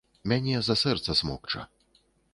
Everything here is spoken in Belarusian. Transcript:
Мяне за сэрца смокча.